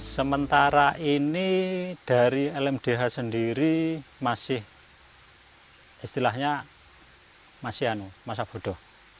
sementara ini dari lmdh sendiri masih istilahnya masih anu masa bodoh